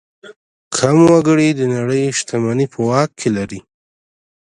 کم وګړي د نړۍ شتمني په واک لري.